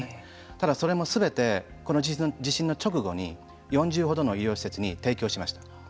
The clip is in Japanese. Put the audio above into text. ただそれもすべて地震の直後に４０程の医療施設に提供しました。